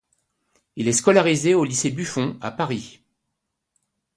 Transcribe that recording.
Il est scolarisé au lycée Buffon à Paris.